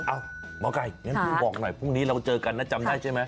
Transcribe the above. อ้าวมะไก่นี่พูดบอกหน่อยพรุ่งนี้เราเจอกันน่ะจำได้ใช่ไหม